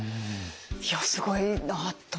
いやすごいなと。